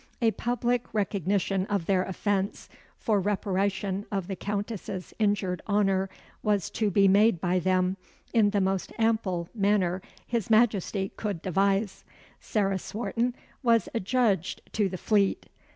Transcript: A public recognition of their offence, for reparation of the Countess's injured honour, was to be made by them, in the most ample manner His Majesty could devise. Sarah Swarton was adjudged to the Fleet.